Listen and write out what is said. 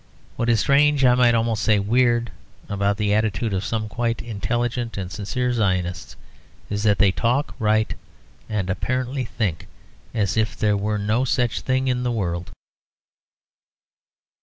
What is strange, I might almost say weird, about the attitude of some quite intelligent and sincere Zionists, is that they talk, write and apparently think as if there were no such thing in the world.